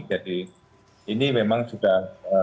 jadi ini memang sudah